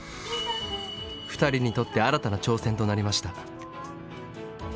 ２人にとって新たな挑戦となりました。